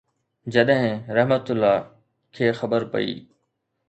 جڏهن رحه کي خبر پئي